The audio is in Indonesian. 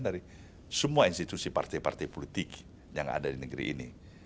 dari semua institusi partai partai politik yang ada di negeri ini